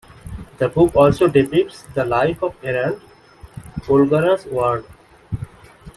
The book also depicts the life of Errand, Polgara's ward.